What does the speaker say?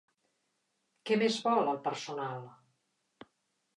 Què més vol, el personal?